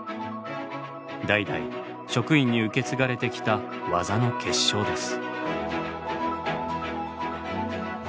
代々職員に受け継がれてきた技の結晶です。